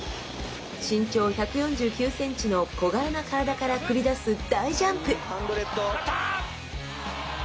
身長１４９センチの小柄な体から繰り出す大ジャンプ！